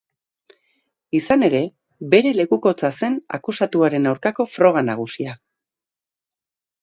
Izan ere, bere lekukotza zen akusatuaren aurkako froga nagusia.